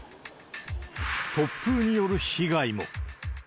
突風による被害も。